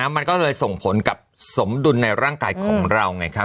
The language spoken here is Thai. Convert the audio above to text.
มันก็เลยส่งผลกับสมดุลในร่างกายของเราไงครับ